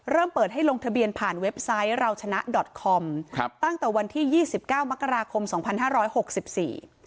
เปิดให้ลงทะเบียนผ่านเว็บไซต์เราชนะดอตคอมครับตั้งแต่วันที่ยี่สิบเก้ามกราคมสองพันห้าร้อยหกสิบสี่